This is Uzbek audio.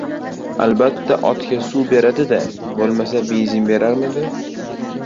Albatta otga suv beradi-da, bo‘lmasa benzin berarmidi?